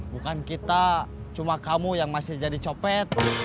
bukan kita cuma kamu yang masih jadi copet